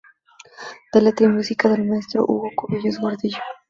De letra y música del maestro Hugo Cubillos Gordillo.